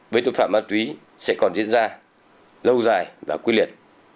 với tội phạm ma túy sẽ còn diễn ra lâu dài và quyết liệt